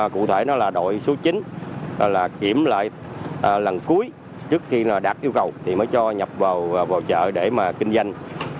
cụ thể nó là đội số chín kiểm lại lần cuối trước khi đạt yêu cầu thì mới cho nhập vào chợ để mà kinh doanh